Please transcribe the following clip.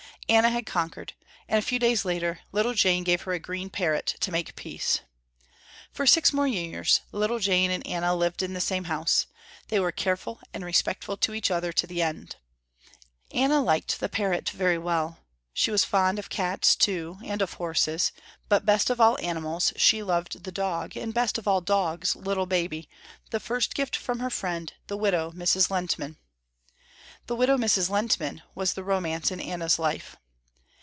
Anna had conquered, and a few days later little Jane gave her a green parrot to make peace. For six more years little Jane and Anna lived in the same house. They were careful and respectful to each other to the end. Anna liked the parrot very well. She was fond of cats too and of horses, but best of all animals she loved the dog and best of all dogs, little Baby, the first gift from her friend, the widow Mrs. Lehntman. The widow Mrs. Lehntman was the romance in Anna's life.